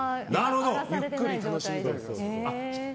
ゆっくり楽しみたいから。